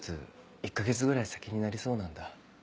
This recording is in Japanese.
１か月ぐらい先になりそうなんだ。